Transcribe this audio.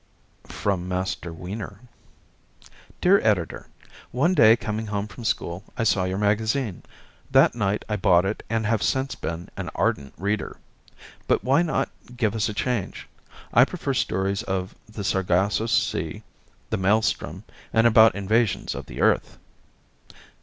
From Master Weiner Dear Editor: One day coming home from school I saw your magazine. That night I bought it and have since been an ardent reader. But why not give us a change? I prefer stories of the Sargasso Sea, the Maelstrom, and about invasions of the Earth.